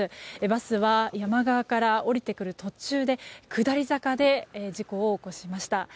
バスは、山側から下りてくる途中で下り坂で、事故を起こしました。